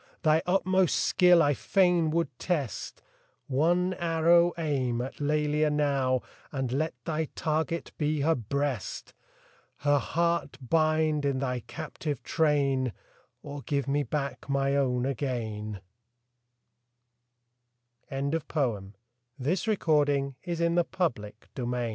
Thy utmost skill I fain would test ; One arrow aim at Lelia now, And let thy target be her breast ! Her heart bind in thy captive train, Or give me back my own again 1 THE DREAM OF LOVE. I VE